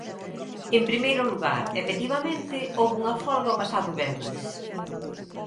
En primeiro lugar, efectivamente, houbo unha folga o pasado venres.